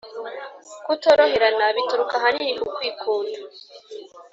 Kutoroherana bituruka ahanini ku kwikunda